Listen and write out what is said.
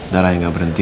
darahnya gak berhenti